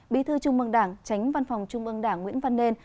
bí thư trung mương đảng chánh văn phòng trung mương đảng nguyễn văn nên